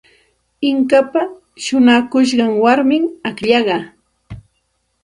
Inkapa shuñakushqan warmim akllaqa.